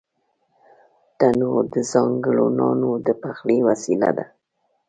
تنور د ځانگړو نانو د پخلي وسیله ده